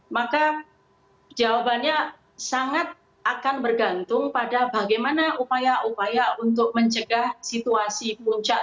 maka jawabannya sangat akan bergantung pada bagaimana upaya upaya untuk mencegah situasi puncak